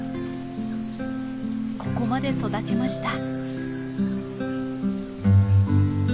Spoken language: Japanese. ここまで育ちました。